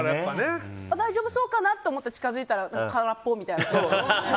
大丈夫そうかなと思って近づいたら空っぽみたいな。